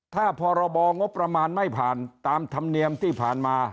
ถ้าพรบงบประมาณไม่ผ่านตามธรรมเนียมที่ผ่านมา